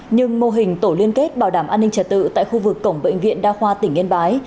nhưng mô hình tổ liên kết bảo đảm an ninh trật tự tại khu vực cổng bệnh viện đa khoa tỉnh yên bái